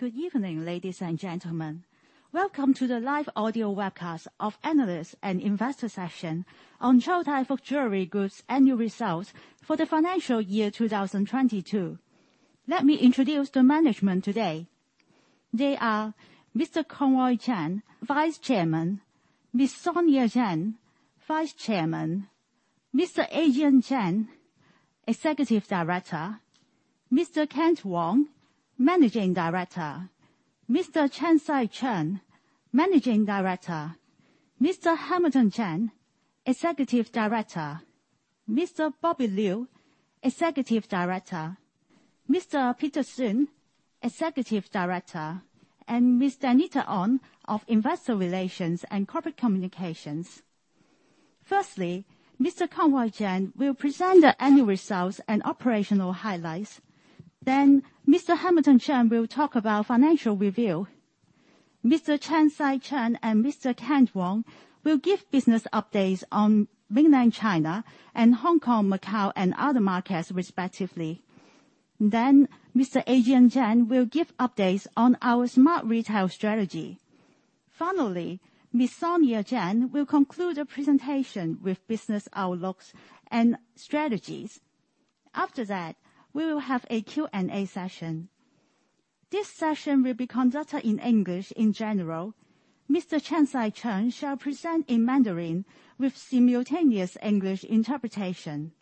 Good evening, ladies and gentlemen. Welcome to the live audio webcast of Analyst and Investor Session on Chow Tai Fook Jewellery Group's annual results for the financial year 2022. Let me introduce the management today. They are Mr. Conroy Cheng, Vice Chairman, Ms. Sonia Cheng, Vice Chairman, Mr. Adrian Cheng, Executive Director, Mr. Kent Wong, Managing Director, Mr. Chan Sai-Cheong, Managing Director, Mr. Hamilton Cheng, Executive Director, Mr. Bobby Liu, Executive Director, Mr. Peter Suen, Executive Director, and Ms. Danita On of Investor Relations and Corporate Communications. Firstly, Mr. Conroy Cheng will present the annual results and operational highlights, then Mr. Hamilton Cheng will talk about financial review. Mr. Chan Sai-Cheong and Mr. Kent Wong will give business updates on mainland China and Hong Kong, Macao, and other markets respectively. Then Mr. Adrian Cheng will give updates on our smart retail strategy. Finally, Ms. Sonia Cheng will conclude the presentation with business outlooks and strategies. After that, we will have a Q&A session. This session will be conducted in English in general. Mr. Chan Sai-Cheong shall present in Mandarin with simultaneous English interpretation.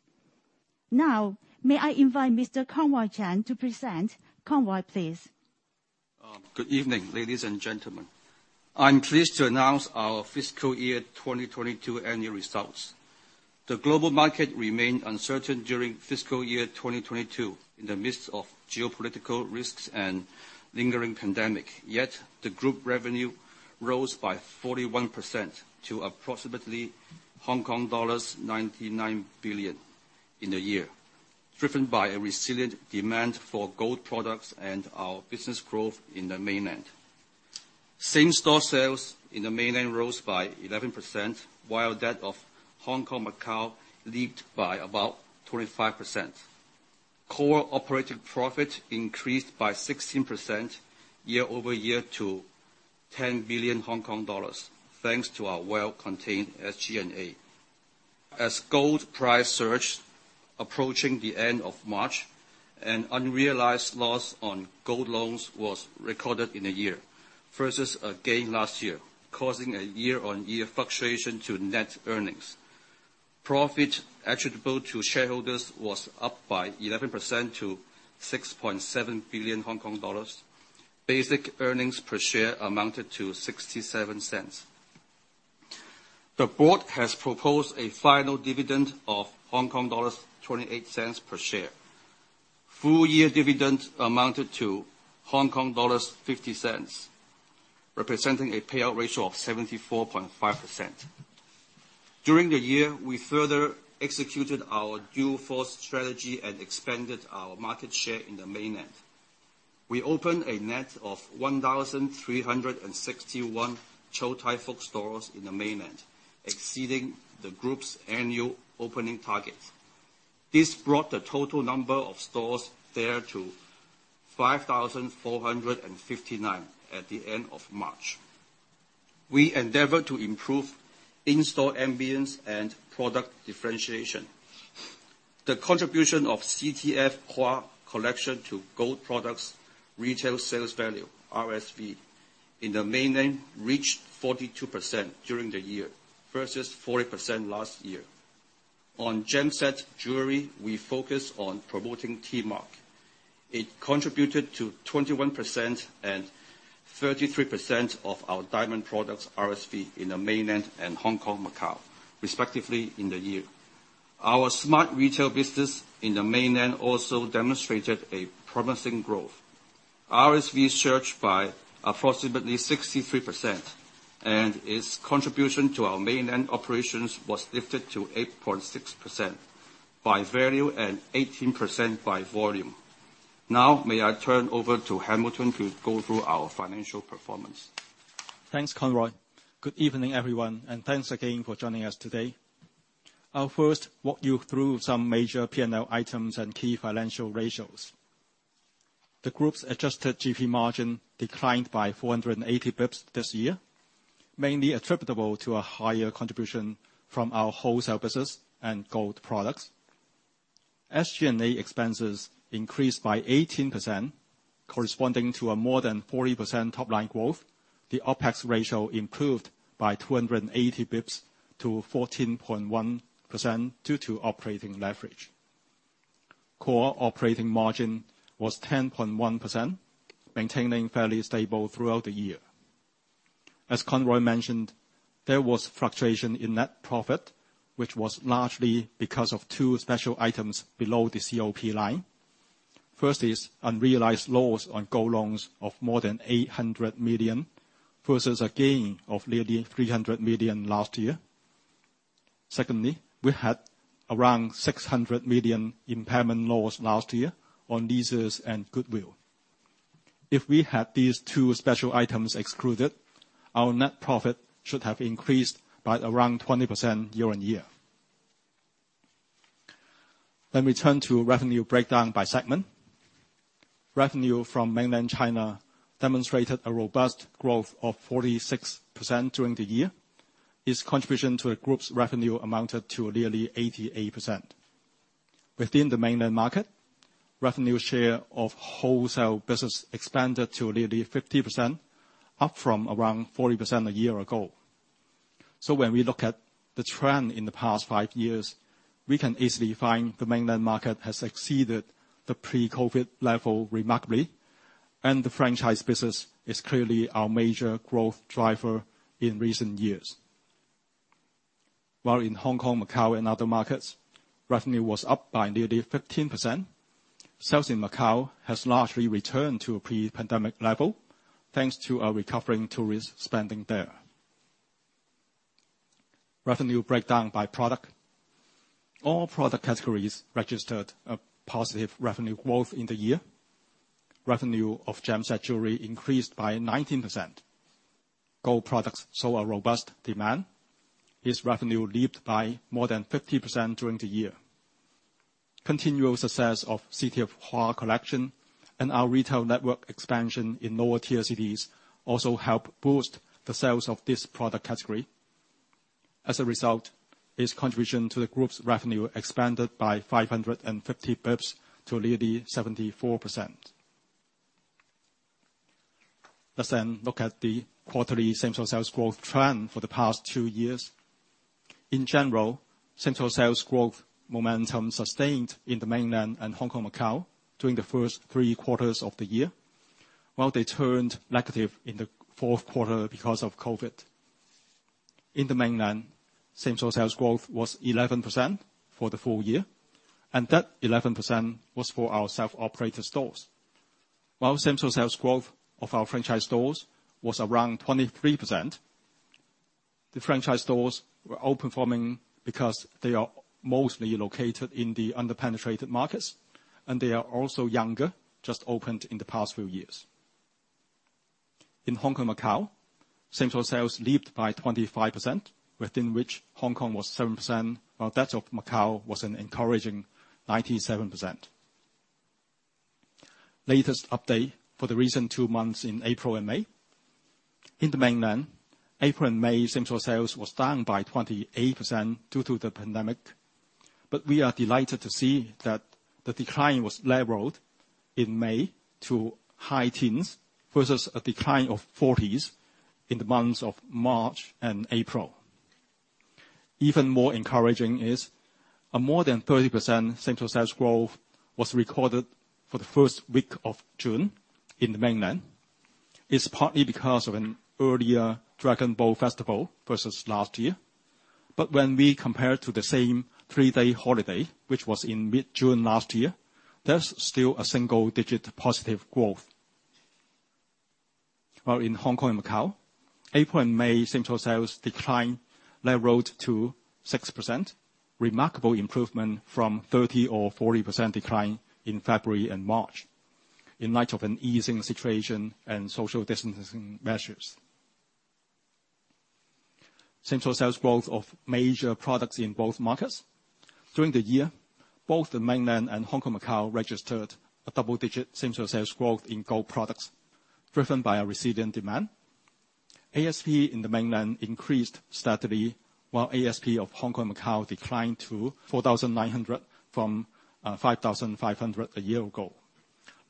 Now, may I invite Mr. Conroy Cheng to present. Conroy, please. Good evening, ladies and gentlemen. I'm pleased to announce our fiscal year 2022 annual results. The global market remained uncertain during fiscal year 2022 in the midst of geopolitical risks and lingering pandemic. The group revenue rose by 41% to approximately Hong Kong dollars 99 billion in the year, driven by a resilient demand for gold products and our business growth in the mainland. Same-store sales in the mainland rose by 11%, while that of Hong Kong, Macau leaped by about 25%. Core operating profit increased by 16% year-over-year to 10 billion Hong Kong dollars thanks to our well-contained SG&A. As gold price surged approaching the end of March, an unrealized loss on gold loans was recorded in the year versus a gain last year, causing a year-over-year fluctuation to net earnings. Profit attributable to shareholders was up by 11% to 6.7 billion Hong Kong dollars. Basic earnings per share amounted to 0.67. The Board has proposed a final dividend of 0.28 per share. Full year dividend amounted to 0.50, representing a payout ratio of 74.5%. During the year, we further executed our Dual-Force Strategy and expanded our market share in the mainland. We opened a net of 1,361 Chow Tai Fook stores in the mainland, exceeding the group's annual opening target. This brought the total number of stores there to 5,459 at the end of March. We endeavor to improve in-store ambience and product differentiation. The contribution of CTF • HUÁ Collection to gold products retail sales value, RSV, in the mainland reached 42% during the year versus 40% last year. On gem set jewelry, we focused on promoting T-MARK. It contributed to 21% and 33% of our diamond products RSV in the mainland and Hong Kong, Macao, respectively in the year. Our smart retail business in the mainland also demonstrated a promising growth. RSV surged by approximately 63% and its contribution to our mainland operations was lifted to 8.6% by value and 18% by volume. Now, may I turn over to Hamilton Cheng to go through our financial performance. Thanks, Conroy. Good evening, everyone, and thanks again for joining us today. I'll first walk you through some major P&L items and key financial ratios. The group's adjusted GP margin declined by 480 basis points this year, mainly attributable to a higher contribution from our wholesale business and gold products. SG&A expenses increased by 18%, corresponding to a more than 40% top-line growth. The OpEx ratio improved by 280 basis points to 14.1% due to operating leverage. Core operating margin was 10.1%, maintaining fairly stable throughout the year. As Conroy mentioned, there was fluctuation in net profit, which was largely because of two special items below the COP line. First is unrealized loss on gold loans of more than 800 million versus a gain of nearly 300 million last year. Secondly, we had around 600 million impairment loss last year on leases and goodwill. If we had these two special items excluded, our net profit should have increased by around 20% year-on-year. We turn to revenue breakdown by segment. Revenue from Mainland China demonstrated a robust growth of 46% during the year. Its contribution to the group's revenue amounted to nearly 88%. Within the Mainland market, revenue share of wholesale business expanded to nearly 50%, up from around 40% a year ago. When we look at the trend in the past five years, we can easily find the Mainland market has exceeded the pre-COVID level remarkably, and the franchise business is clearly our major growth driver in recent years. While in Hong Kong, Macao, and other markets, revenue was up by nearly 15%. Sales in Macao has largely returned to a pre-pandemic level thanks to a recovering tourist spending there. Revenue breakdown by product. All product categories registered a positive revenue growth in the year. Revenue of gem-set jewelry increased by 19%. Gold products saw a robust demand. This revenue leaped by more than 50% during the year. Continual success of CTF • HUÁ Collection and our retail network expansion in lower tier cities also helped boost the sales of this product category. As a result, its contribution to the group's revenue expanded by 550 basis points to nearly 74%. Let's look at the quarterly same-store sales growth trend for the past two years. In general, same-store sales growth momentum sustained in the Mainland and Hong Kong, Macao during the first three quarters of the year, while they turned negative in the Q4 quarter because of COVID. In the Mainland, same-store sales growth was 11% for the full year, and that 11% was for our self-operated stores. While same-store sales growth of our franchise stores was around 23%. The franchise stores were outperforming because they are mostly located in the under-penetrated markets, and they are also younger, just opened in the past few years. In Hong Kong, Macao, same-store sales leaped by 25%, within which Hong Kong was 7%, while that of Macao was an encouraging 97%. Latest update for the recent two months in April and May. In the Mainland, April and May same-store sales was down by 28% due to the pandemic. We are delighted to see that the decline was leveled in May to high teens versus a decline of 40s in the months of March and April. Even more encouraging is a more than 30% same-store sales growth that was recorded for the first week of June in the Mainland. It's partly because of an earlier Dragon Boat Festival versus last year. When we compare to the same 3-day holiday, which was in mid-June last year, there's still a single-digit positive growth. While in Hong Kong and Macao, April and May same-store sales decline leveled to 6%, remarkable improvement from 30% or 40% decline in February and March, in light of an easing situation and social distancing measures. Same-store sales growth of major products in both markets. During the year, both the Mainland and Hong Kong, Macao registered a double-digit same-store sales growth in gold products driven by a resilient demand. ASP in the Mainland increased steadily, while ASP of Hong Kong, Macao declined to 4,900 from 5,500 a year ago,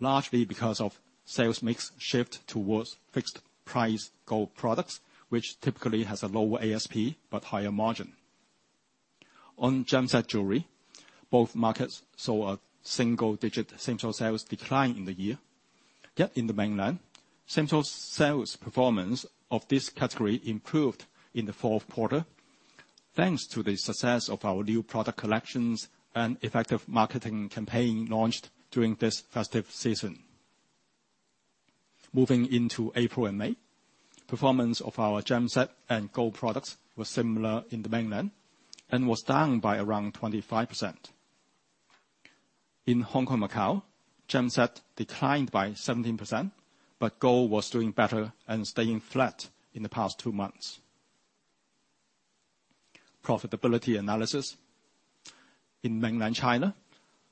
largely because of sales mix shift towards fixed price gold products, which typically has a lower ASP, but higher margin. On gem-set jewelry, both markets saw a single-digit same-store sales decline in the year. Yet in the Mainland, same-store sales performance of this category improved in the fourth quarter thanks to the success of our new product collections and effective marketing campaign launched during this festive season. Moving into April and May, performance of our gem-set and gold products was similar in the Mainland and was down by around 25%. In Hong Kong, Macao, gem-set declined by 17%, but gold was doing better and staying flat in the past two months. Profitability analysis. In Mainland China,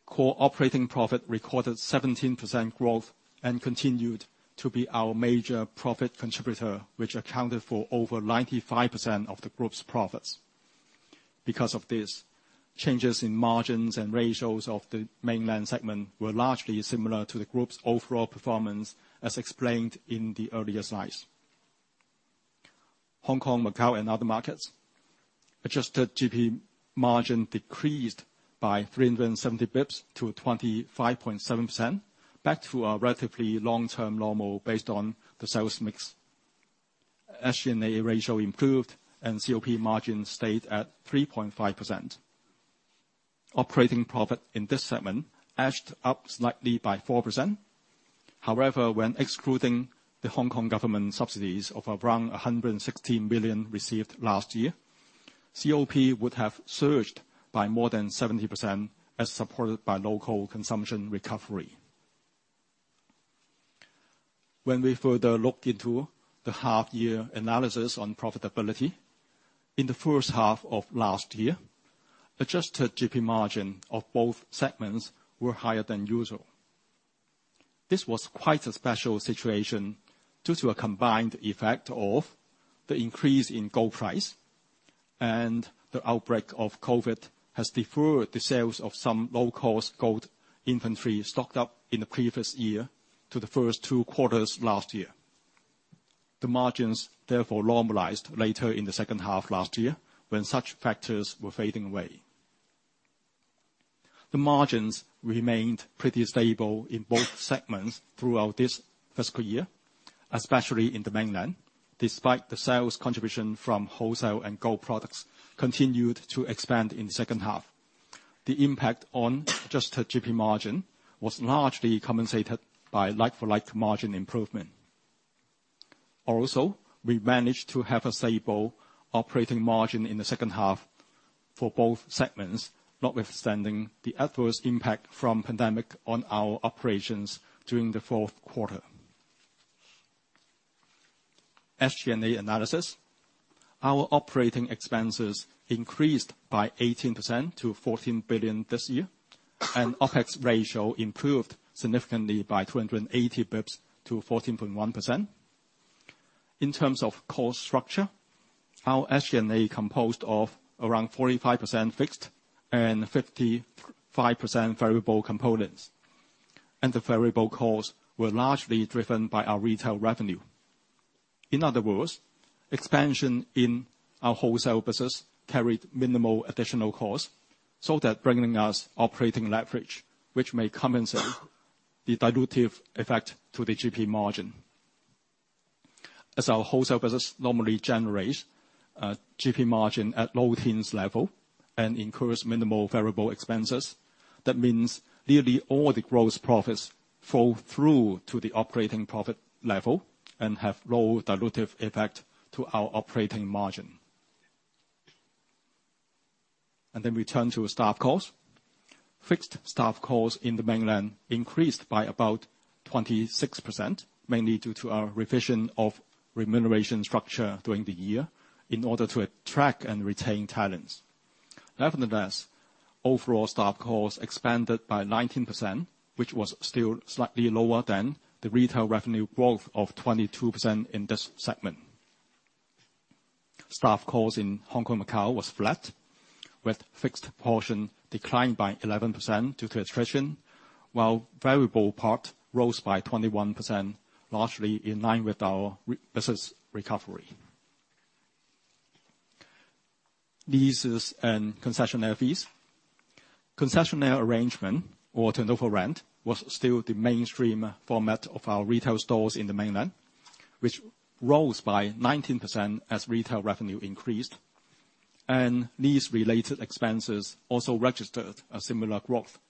core operating profit recorded 17% growth and continued to be our major profit contributor, which accounted for over 95% of the group's profits. Because of this, changes in margins and ratios of the Mainland segment were largely similar to the group's overall performance as explained in the earlier slides. Hong Kong, Macao and other markets. Adjusted GP margin decreased by 370 basis points to 25.7% back to a relatively long-term normal based on the sales mix. SG&A ratio improved and COP margin stayed at 3.5%. Operating profit in this segment edged up slightly by 4%. However, when excluding the Hong Kong government subsidies of around 160 million received last year, COP would have surged by more than 70% as supported by local consumption recovery. When we further look into the half-year analysis on profitability, in the first half of last year, adjusted GP margin of both segments were higher than usual. This was quite a special situation due to a combined effect of the increase in gold price and the outbreak of COVID has deferred the sales of some low-cost gold inventory stocked up in the previous year to the first 2 quarters last year. The margins therefore normalized later in the second half last year when such factors were fading away. The margins remained pretty stable in both segments throughout this fiscal year, especially in the Mainland, despite the sales contribution from wholesale and gold products continued to expand in the second half. The impact on adjusted GP margin was largely compensated by like-for-like margin improvement. Also, we managed to have a stable operating margin in the second half for both segments, notwithstanding the adverse impact from pandemic on our operations during the fourth quarter. SG&A analysis. Our operating expenses increased by 18% to 14 billion this year, and OpEx ratio improved significantly by 280 basis points to 14.1%. In terms of cost structure, our SG&A composed of around 45% fixed and 55% variable components, and the variable costs were largely driven by our retail revenue. In other words, expansion in our wholesale business carried minimal additional cost so that bringing us operating leverage, which may compensate the dilutive effect to the GP margin. As our wholesale business normally generates GP margin at low teens level and incurs minimal variable expenses, that means nearly all the gross profits fall through to the operating profit level and have low dilutive effect to our operating margin. We turn to staff costs. Fixed staff costs in the Mainland increased by about 26%, mainly due to our revision of remuneration structure during the year in order to attract and retain talents. Nevertheless, overall staff costs expanded by 19%, which was still slightly lower than the retail revenue growth of 22% in this segment. Staff costs in Hong Kong and Macau was flat, with fixed portion declined by 11% due to attrition, while variable part rose by 21%, largely in line with our retail business recovery. Leases and concessionaire fees. Concessionaire arrangement or turnover rent was still the mainstream format of our retail stores in the Mainland, which rose by 19% as retail revenue increased, and lease-related expenses also registered a similar growth.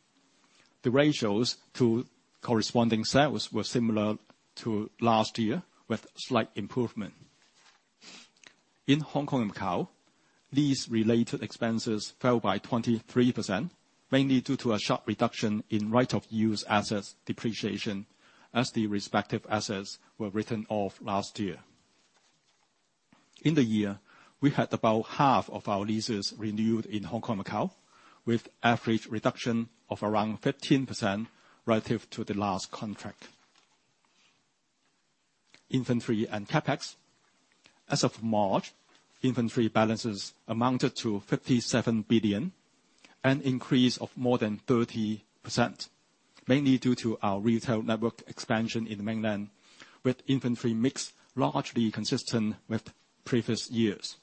The ratios to corresponding sales were similar to last year with slight improvement. In Hong Kong and Macau, these related expenses fell by 23%, mainly due to a sharp reduction in right-of-use assets depreciation as the respective assets were written off last year. In the year, we had about half of our leases renewed in Hong Kong and Macau with average reduction of around 15% relative to the last contract. Inventory and CapEx. As of March, inventory balances amounted to 57 billion, an increase of more than 30%, mainly due to our retail network expansion in the Mainland with inventory mix largely consistent with previous years.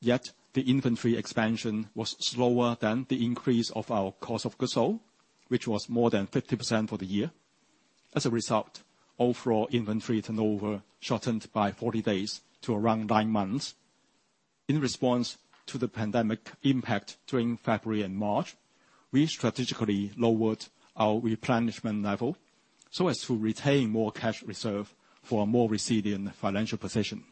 Yet the inventory expansion was slower than the increase of our cost of goods sold, which was more than 50% for the year. As a result, overall inventory turnover shortened by 40 days to around 9 months. In response to the pandemic impact during February and March, we strategically lowered our replenishment level so as to retain more cash reserve for a more resilient financial position.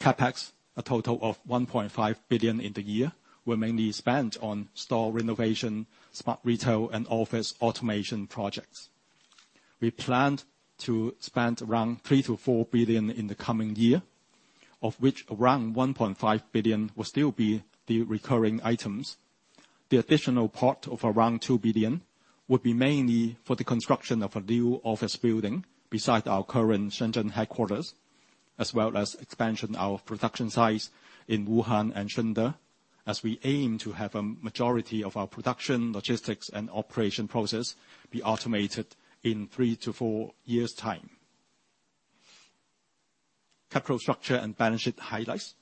CapEx, a total of 1.5 billion in the year, were mainly spent on store renovation, smart retail and office automation projects. We planned to spend around 3 billion-4 billion in the coming year, of which around 1.5 billion will still be the recurring items. The additional part of around 2 billion would be mainly for the construction of a new office building beside our current Shenzhen headquarters, as well as expanding our production sites in Wuhan and Shunde, as we aim to have a majority of our production, logistics, and operation process be automated in 3-4 years' time. Capital structure and balance sheet highlights.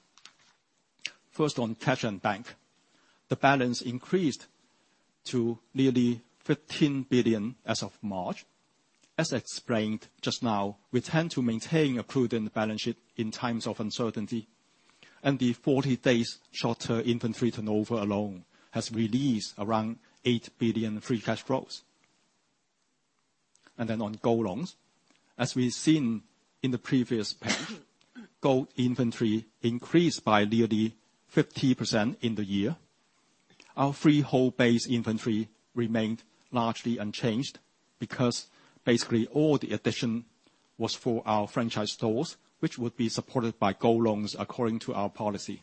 First, on cash and bank. The balance increased to nearly 15 billion as of March. As explained just now, we tend to maintain a prudent balance sheet in times of uncertainty, and the 40 days shorter inventory turnover alone has released around 8 billion free cash flows. Then on gold loans. As we've seen in the previous page, gold inventory increased by nearly 50% in the year. Our freehold base inventory remained largely unchanged because basically all the addition was for our franchise stores, which would be supported by gold loans according to our policy.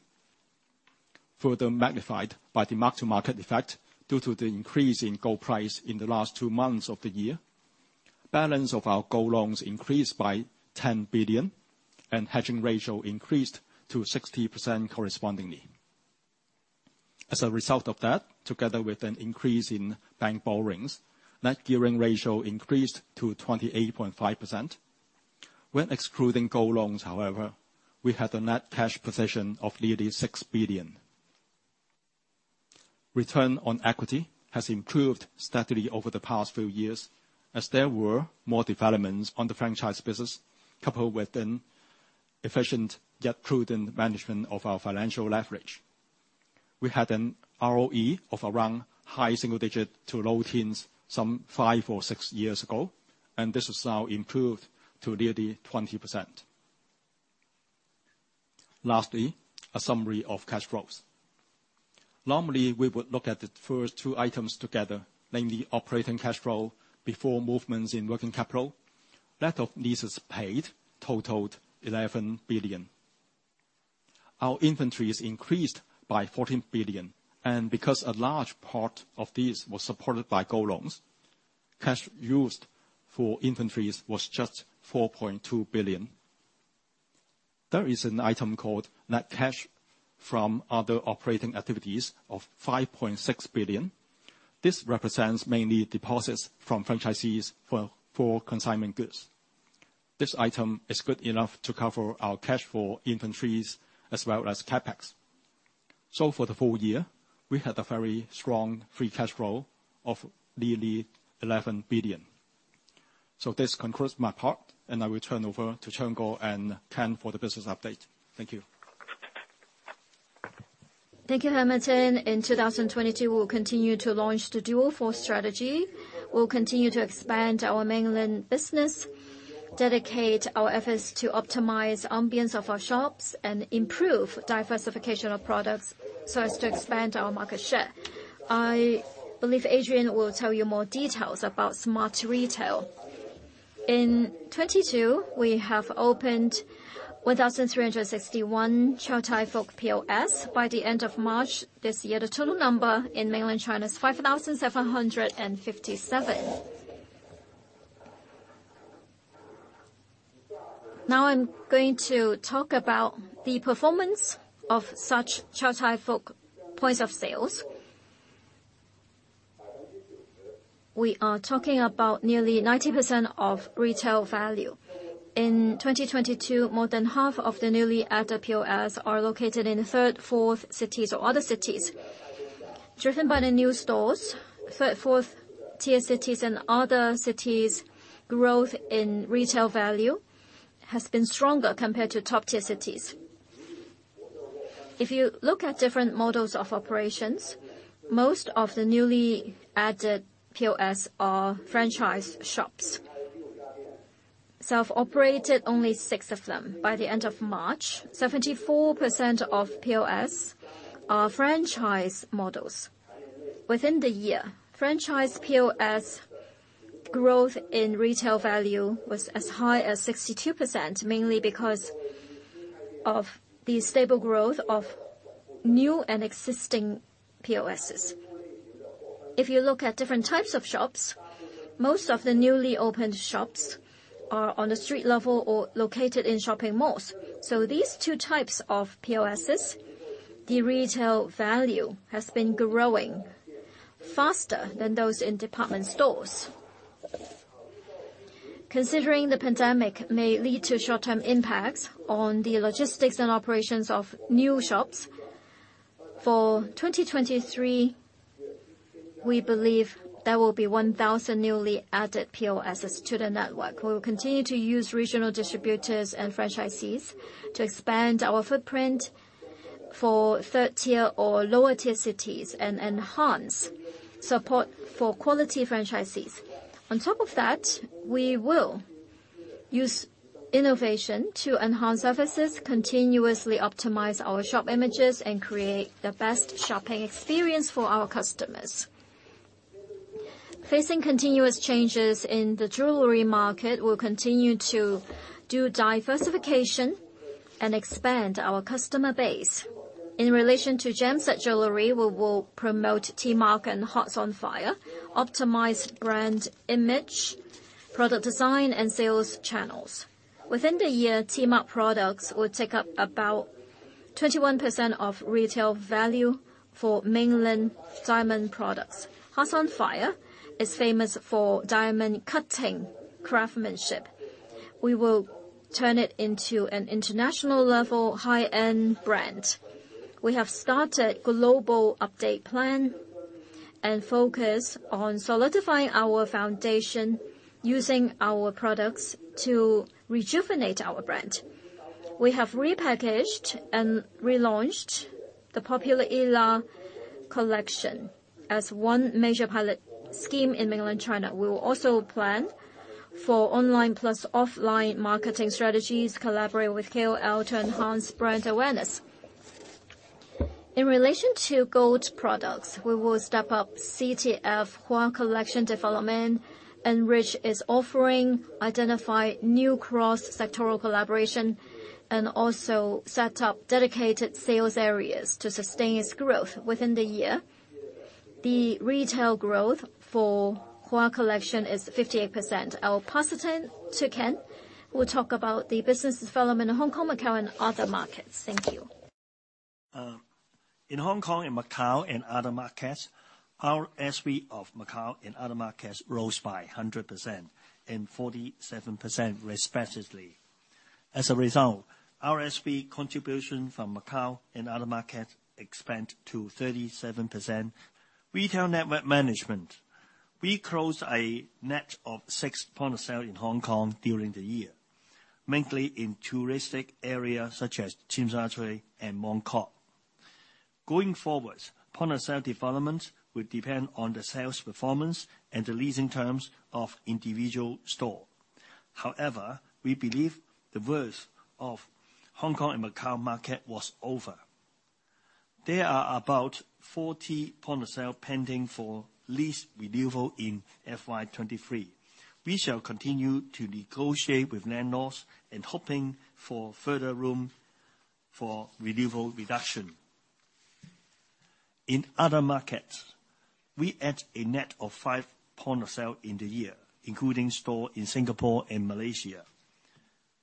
Further magnified by the mark-to-market effect due to the increase in gold price in the last two months of the year. Balance of our gold loans increased by 10 billion, and hedging ratio increased to 60% correspondingly. As a result of that, together with an increase in bank borrowings, net gearing ratio increased to 28.5%. When excluding gold loans, however, we had a net cash position of nearly 6 billion. Return on equity has improved steadily over the past few years as there were more developments on the franchise business, coupled with an efficient yet prudent management of our financial leverage. We had an ROE of around high single digit to low teens some 5 or 6 years ago, and this has now improved to nearly 20%. Lastly, a summary of cash flows. Normally, we would look at the first two items together, namely operating cash flow before movements in working capital. Net of leases paid totaled 11 billion. Our inventories increased by 14 billion, and because a large part of this was supported by gold loans, cash used for inventories was just 4.2 billion. There is an item called net cash from other operating activities of 5.6 billion. This represents mainly deposits from franchisees for consignment goods. This item is good enough to cover our cash for inventories as well as CapEx. For the full year, we had a very strong free cash flow of nearly 11 billion. This concludes my part, and I will turn over to Chan Sai-Cheong and Kent Wong for the business update. Thank you. Thank you, Hamilton. In 2022, we will continue to launch the Dual-Force Strategy. We'll continue to expand our mainland business, dedicate our efforts to optimize ambiance of our shops, and improve diversification of products so as to expand our market share. I believe Adrian will tell you more details about smart retail. In 2022, we have opened 1,361 Chow Tai Fook POS. By the end of March this year, the total number in mainland China is 5,757. Now I'm going to talk about the performance of such Chow Tai Fook points of sale. We are talking about nearly 90% of retail value. In 2022, more than half of the newly added POS are located in third- and fourth-tier cities or other cities. Driven by the new stores, third, fourth tier cities and other cities, growth in retail value has been stronger compared to top-tier cities. If you look at different models of operations, most of the newly added POS are franchise shops. Self-operated, only six of them. By the end of March, 74% of POS are franchise models. Within the year, franchise POS growth in retail value was as high as 62%, mainly because of the stable growth of new and existing POSs. If you look at different types of shops, most of the newly opened shops are on the street level or located in shopping malls. These two types of POSs, the retail value has been growing faster than those in department stores. Considering the pandemic may lead to short-term impacts on the logistics and operations of new shops, for 2023, we believe there will be 1,000 newly added POSs to the network. We will continue to use regional distributors and franchisees to expand our footprint for third-tier or lower-tier cities and enhance support for quality franchisees. On top of that, we will use innovation to enhance services, continuously optimize our shop images, and create the best shopping experience for our customers. Facing continuous changes in the jewelry market, we'll continue to do diversification and expand our customer base. In relation to gemstone jewelry, we will promote T-MARK and Hearts On Fire, optimize brand image, product design, and sales channels. Within the year, T-MARK products will take up about 21% of retail value for mainland diamond products. Hearts On Fire is famous for diamond cutting craftsmanship. We will turn it into an international level high-end brand. We have started global update plan and focus on solidifying our foundation using our products to rejuvenate our brand. We have repackaged and relaunched the popular ILLA Collection. As one major pilot scheme in Mainland China, we will also plan for online plus offline marketing strategies, collaborate with KOL to enhance brand awareness. In relation to gold products, we will step up CTF • HUÁ Collection development, enrich its offering, identify new cross-sectoral collaboration, and also set up dedicated sales areas to sustain its growth within the year. The retail growth for HUÁ Collection is 58%. I will pass it to Kent, who will talk about the business development in Hong Kong, Macao, and other markets. Thank you. In Hong Kong and Macau and other markets, our SV of Macau and other markets rose by 100% and 47% respectively. As a result, our SV contribution from Macau and other markets expanded to 37%. Retail network management. We closed a net of 6 points of sale in Hong Kong during the year, mainly in touristic areas such as Tsim Sha Tsui and Mong Kok. Going forward, point of sale development will depend on the sales performance and the leasing terms of individual store. However, we believe the worst of Hong Kong and Macau market was over. There are about 40 points of sale pending for lease renewal in FY 2023. We shall continue to negotiate with landlords and hope for further room for renewal reduction. In other markets, we add a net of 5 points of sale in the year, including stores in Singapore and Malaysia.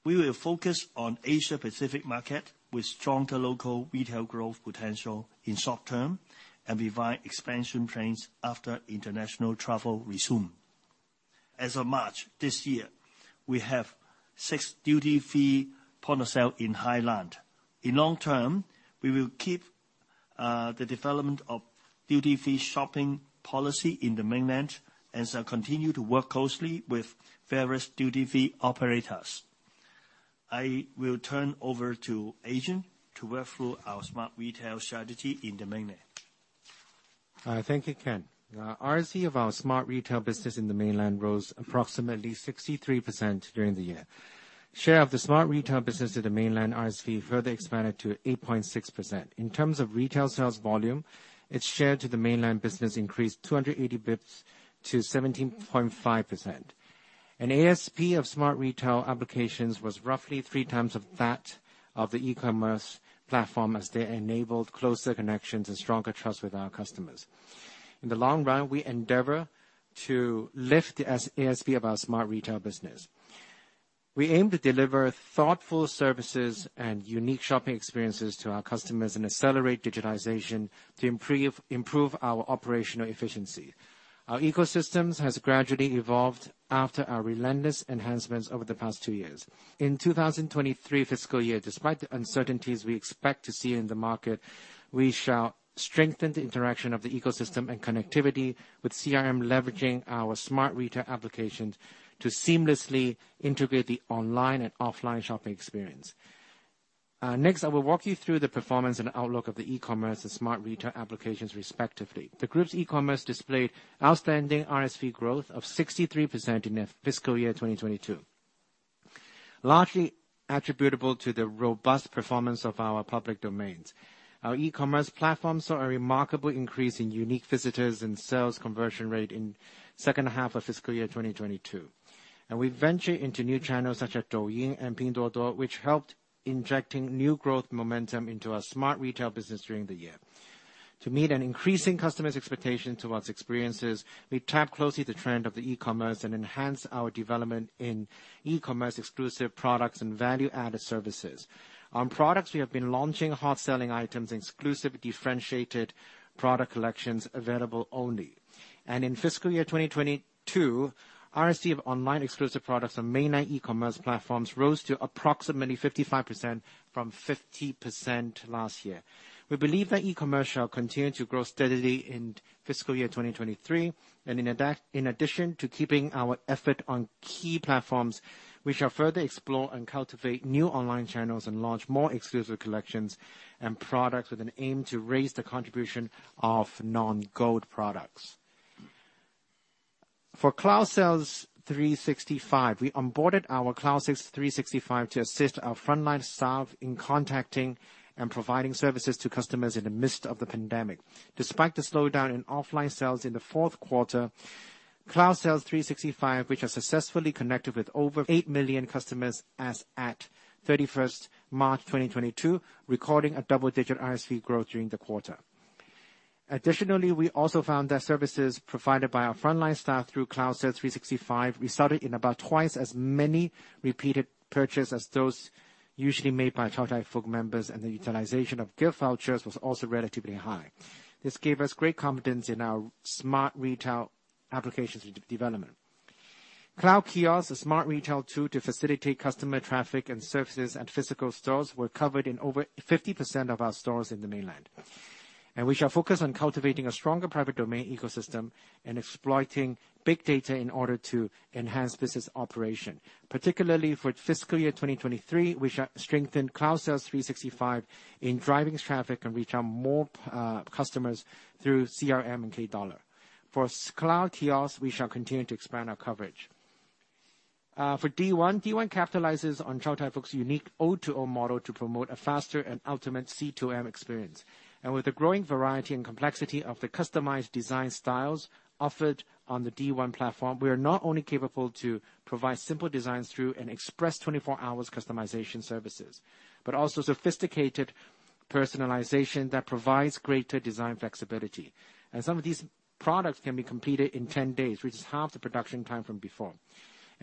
We will focus on Asia-Pacific market with stronger local retail growth potential in short term and revise expansion plans after international travel resumes. As of March this year, we have six duty-free points of sale in Hainan. In long term, we will keep the development of duty-free shopping policy in the Mainland and shall continue to work closely with various duty-free operators. I will turn over to Adrian to walk through our smart retail strategy in the Mainland. Thank you, Kent. RSV of our smart retail business in the Mainland rose approximately 63% during the year. Share of the smart retail business to the Mainland RSV further expanded to 8.6%. In terms of retail sales volume, its share to the Mainland business increased 280 basis points to 17.5%. ASP of smart retail applications was roughly 3x of that of the e-commerce platform as they enabled closer connections and stronger trust with our customers. In the long run, we endeavor to lift the ASP of our smart retail business. We aim to deliver thoughtful services and unique shopping experiences to our customers and accelerate digitization to improve our operational efficiency. Our ecosystems has gradually evolved after our relentless enhancements over the past two years. In 2023 fiscal year, despite the uncertainties we expect to see in the market, we shall strengthen the interaction of the ecosystem and connectivity with CRM, leveraging our smart retail applications to seamlessly integrate the online and offline shopping experience. Next, I will walk you through the performance and outlook of the e-commerce and smart retail applications respectively. The group's e-commerce displayed outstanding RSV growth of 63% in fiscal year 2022, largely attributable to the robust performance of our public domains. Our e-commerce platform saw a remarkable increase in unique visitors and sales conversion rate in second half of fiscal year 2022. We ventured into new channels such as Douyin and Pinduoduo, which helped injecting new growth momentum into our smart retail business during the year. To meet an increasing customer's expectation towards experiences, we tapped closely the trend of the e-commerce and enhanced our development in e-commerce exclusive products and value-added services. On products, we have been launching hot-selling items and exclusive differentiated product collections available only. In fiscal year 2022, RSV of online exclusive products on Mainland e-commerce platforms rose to approximately 55% from 50% last year. We believe that e-commerce shall continue to grow steadily in fiscal year 2023. In addition to keeping our effort on key platforms, we shall further explore and cultivate new online channels and launch more exclusive collections and products with an aim to raise the contribution of non-gold products. For CloudSales 365, we onboarded our CloudSales 365 to assist our frontline staff in contacting and providing services to customers in the midst of the pandemic. Despite the slowdown in offline sales in the fourth quarter, CloudSales 365, which has successfully connected with over 8 million customers as at 31st March 2022, recording a double-digit RSV growth during the quarter. Additionally, we also found that services provided by our frontline staff through CloudSales 365 resulted in about twice as many repeated purchase as those usually made by Chow Tai Fook members, and the utilization of gift vouchers was also relatively high. This gave us great confidence in our smart retail applications development. Cloud Kiosk, a smart retail tool to facilitate customer traffic and services at physical stores, were covered in over 50% of our stores in the Mainland. We shall focus on cultivating a stronger private domain ecosystem and exploiting big data in order to enhance business operation. Particularly for fiscal year 2023, we shall strengthen CloudSales 365 in driving traffic and reach out more customers through CRM and QR. For Cloud Kiosk, we shall continue to expand our coverage. For D-ONE, D-ONE capitalizes on Chow Tai Fook's unique O2O model to promote a faster and ultimate C2M experience. With the growing variety and complexity of the customized design styles offered on the D-ONE platform, we are not only capable to provide simple designs through an express 24 hours customization services, but also sophisticated personalization that provides greater design flexibility. Some of these products can be completed in 10 days, which is half the production time from before.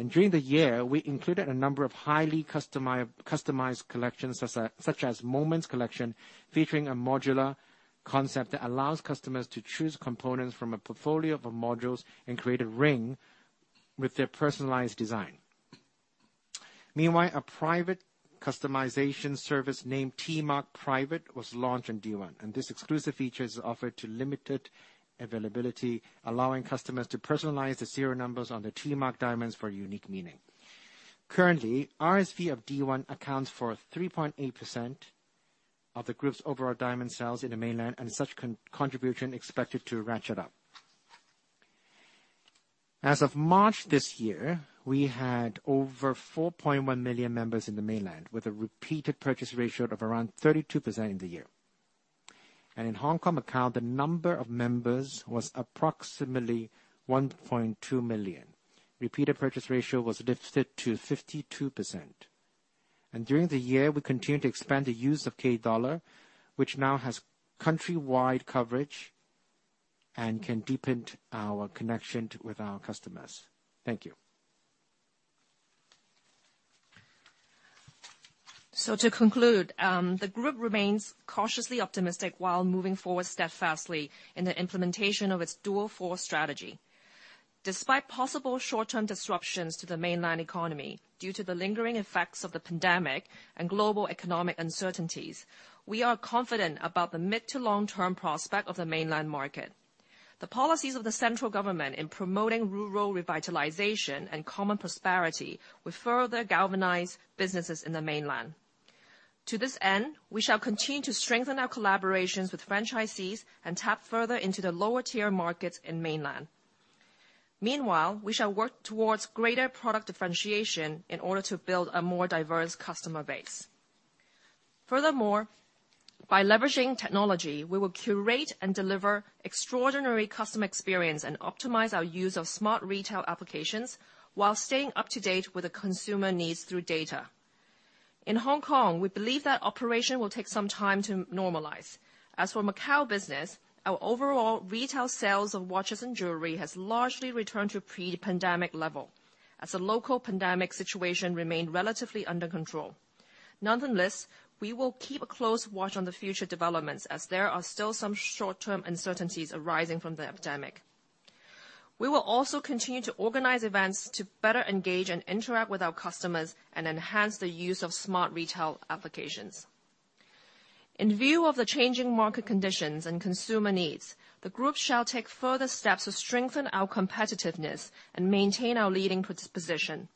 During the year, we included a number of highly customized collections, such as Moments Collection, featuring a modular concept that allows customers to choose components from a portfolio of modules and create a ring with their personalized design. Meanwhile, a private customization service named T-MARK PRIVATE was launched in D-ONE, and this exclusive feature is offered to limited availability, allowing customers to personalize the serial numbers on the T-MARK diamonds for a unique meaning. Currently, RSV of D-ONE accounts for 3.8% of the group's overall diamond sales in the Mainland, and such contribution expected to ratchet up. As of March this year, we had over 4.1 million members in the Mainland, with a repeated purchase ratio of around 32% in the year. In Hong Kong account, the number of members was approximately 1.2 million. Repeated purchase ratio was lifted to 52%. During the year, we continued to expand the use of K-Dollar, which now has countrywide coverage and can deepen our connection with our customers. Thank you. To conclude, the group remains cautiously optimistic while moving forward steadfastly in the implementation of its Dual-Force Strategy. Despite possible short-term disruptions to the Mainland economy due to the lingering effects of the pandemic and global economic uncertainties, we are confident about the mid to long-term prospect of the Mainland market. The policies of the central government in promoting rural revitalization and common prosperity will further galvanize businesses in the Mainland. To this end, we shall continue to strengthen our collaborations with franchisees and tap further into the lower tier markets in Mainland. Meanwhile, we shall work towards greater product differentiation in order to build a more diverse customer base. Furthermore, by leveraging technology, we will curate and deliver extraordinary customer experience and optimize our use of smart retail applications while staying up to date with the consumer needs through data. In Hong Kong, we believe that operation will take some time to normalize. As for Macau business, our overall retail sales of watches and jewelry has largely returned to pre-pandemic level as the local pandemic situation remained relatively under control. Nonetheless, we will keep a close watch on the future developments as there are still some short-term uncertainties arising from the epidemic. We will also continue to organize events to better engage and interact with our customers and enhance the use of smart retail applications. In view of the changing market conditions and consumer needs, the group shall take further steps to strengthen our competitiveness and maintain our leading position.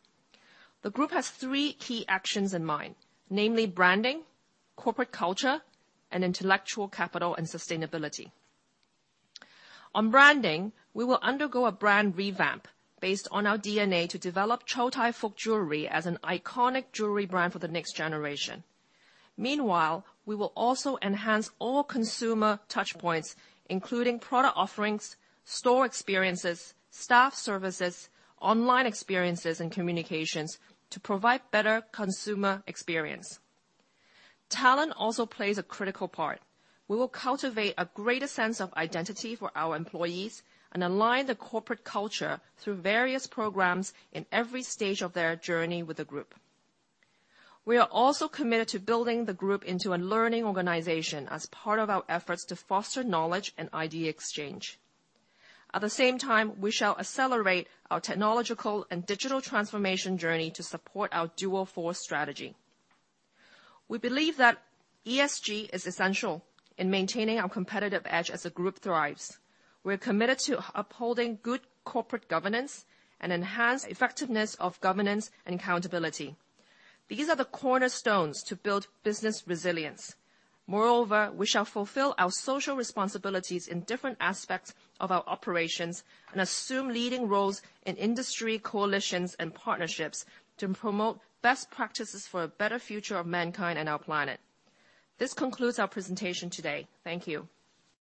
The group has three key actions in mind, namely branding, corporate culture, and intellectual capital and sustainability. On branding, we will undergo a brand revamp based on our DNA to develop Chow Tai Fook Jewelry as an iconic jewelry brand for the next generation. Meanwhile, we will also enhance all consumer touchpoints, including product offerings, store experiences, staff services, online experiences and communications to provide better consumer experience. Talent also plays a critical part. We will cultivate a greater sense of identity for our employees and align the corporate culture through various programs in every stage of their journey with the group. We are also committed to building the group into a learning organization as part of our efforts to foster knowledge and idea exchange. At the same time, we shall accelerate our technological and digital transformation journey to support our Dual-Force Strategy. We believe that ESG is essential in maintaining our competitive edge as the group thrives. We're committed to upholding good corporate governance and enhance effectiveness of governance and accountability. These are the cornerstones to build business resilience. Moreover, we shall fulfill our social responsibilities in different aspects of our operations and assume leading roles in industry coalitions and partnerships to promote best practices for a better future of mankind and our planet. This concludes our presentation today. Thank you.